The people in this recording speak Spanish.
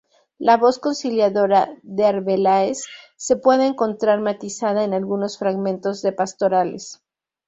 La voz conciliadora de Arbeláez, se puede encontrar matizada en algunos fragmentos de pastorales.